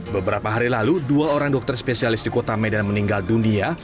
beberapa hari lalu dua orang dokter spesialis di kota medan meninggal dunia